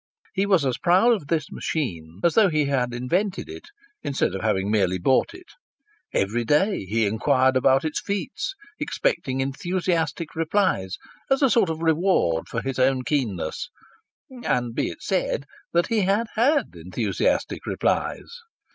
He was as proud of this machine as though he had invented it, instead of having merely bought it; every day he inquired about its feats, expecting enthusiastic replies as a sort of reward for his own keenness: and be it said that he had had enthusiastic replies.